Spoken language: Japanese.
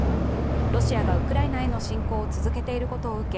ロシアがウクライナへの侵攻を続けていることを受け